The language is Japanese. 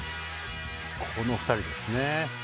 この２人ですね。